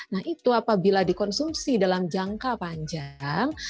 nah itu apabila dikonsumsi dalam jangka panjang